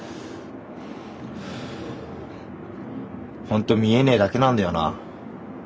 ほんと見えねえだけなんだよな。